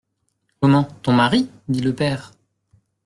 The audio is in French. Comment ! ton mari ? dit le père.